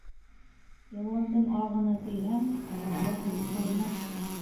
Йыландың ағына тейһәң, ҡараһы ҡотҡармаҫ.